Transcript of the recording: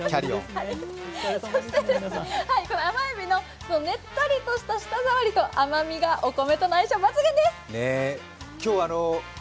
甘えびのねっとりとした舌触りと甘みがお米との相性抜群です。